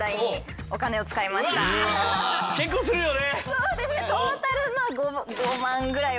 そうですね。